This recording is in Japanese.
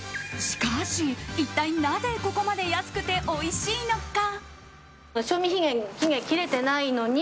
しかし、一体なぜここまで安くておいしいのか。